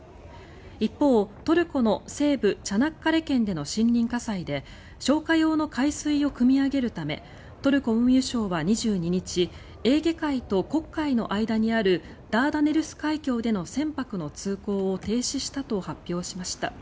一方、トルコの西部チャナッカレ県での森林火災で消火用の海水をくみ上げるためトルコ運輸省は２２日エーゲ海と黒海の間にあるダーダネルス海峡での船舶の通行を停止したと発表しました。